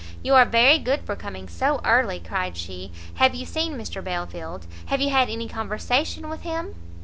"You are very good for coming so early," cried she; "have you seen Mr Belfield? Have you had any conversation with him?"